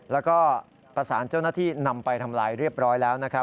แล้วก็ประสานเจ้าหน้าที่นำไปทำลายเรียบร้อยแล้วนะครับ